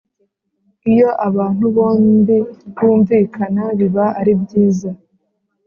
iyo abantu bombi bumvikana biba ari byiza